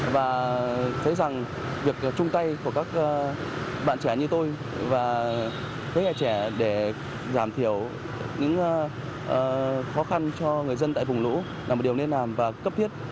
và thấy rằng việc chung tay của các bạn trẻ như tôi và thế hệ trẻ để giảm thiểu những khó khăn cho người dân tại vùng lũ là một điều nên làm và cấp thiết